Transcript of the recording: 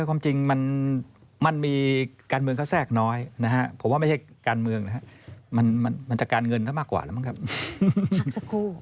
อาจจะการเงินก็มากกว่าแล้วมั้งครับหลักสักครู่